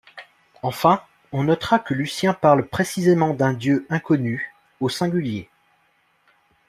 Enfin, on notera que Lucien parle précisément d'un dieu inconnu, au singulier.